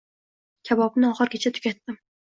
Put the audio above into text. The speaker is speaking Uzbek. Kabobni oxirigacha tugatdim